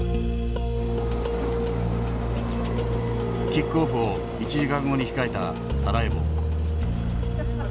キックオフを１時間後に控えたサラエボ。